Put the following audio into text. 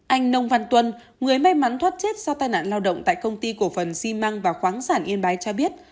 anh nông văn tuân người may mắn thoát chết do tai nạn lao động tại công ty cổ phần xi măng và khoáng sản yên bái cho biết